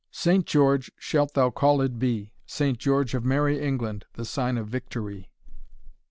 '_Saint George shalt thou callèd be, Saint George of Merry England, the sign of victory.